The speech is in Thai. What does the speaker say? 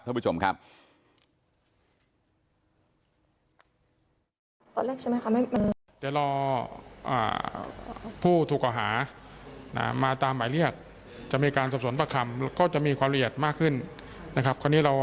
ทุกผู้ชมครับ